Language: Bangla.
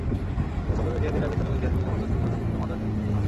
একুশ শতকের জিহাদিরা বিশ শতকের জিহাদিদের মতো শুধু তথাকথিত মাদ্রাসাশিক্ষিত নন।